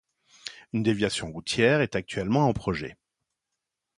Une déviation routière est actuellement en projet.